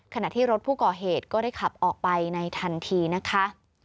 ขณะที่รถผู้ก่อเหตุก็ได้ขับออกไปในทันทีนะคะ